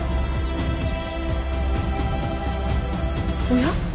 おや？